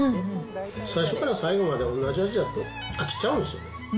最初から最後まで同じ味やと飽きちゃうんですよ。